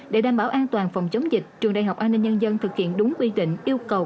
để đảm bảo an toàn phòng chống dịch trường đại học an ninh nhân dân thực hiện đúng quy định yêu cầu